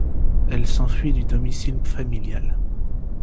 Elle s'enfuit du domicile familial.